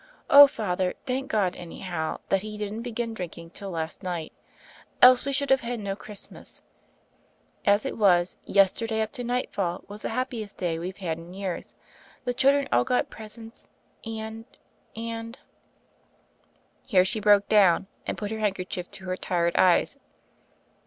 Oh, Father, thank God, anyhow, that he didn't begin drinking till last night, else we should have had no Christmas ; as it was, yester day, up to nightfall, was the happiest day we've had in years; the children all got presents, and — and " Here she broke down, and put her handkerchief to her tired eyes.